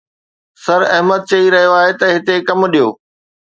سر احمد چئي رهيو آهي ته هتي ڪم ڏيو